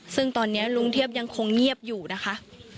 ซึ่งตอนนี้ลุงเทียบยังคงเงียบอยู่นะคะ